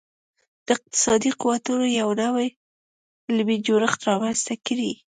د اقتصادي قوتونو یو نوی علمي جوړښت رامنځته کړي